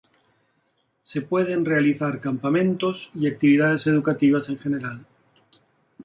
Se pueden realizar campamentos y actividades educativas en general.